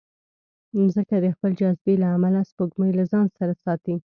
مځکه د خپل جاذبې له امله سپوږمۍ له ځانه سره ساتي.